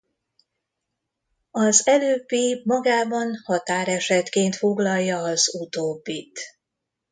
Az előbbi magában határesetként foglalja az utóbbit.